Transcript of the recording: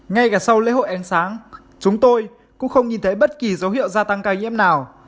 ngay cả sau lễ hội ánh sáng chúng tôi cũng không nhìn thấy bất kỳ dấu hiệu gia tăng ca nhiễm nào